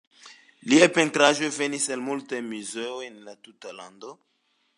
Liaj pentraĵoj venis al multaj muzeoj en la tuta lando.